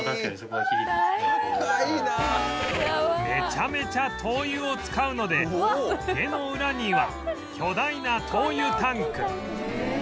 めちゃめちゃ灯油を使うので家のウラには巨大な灯油タンク